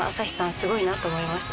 すごいなと思いました。